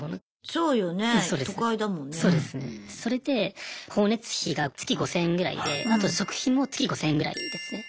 そうよねえ都会だもんね。それで光熱費が月５０００円ぐらいであと食費も月５０００円ぐらいですね。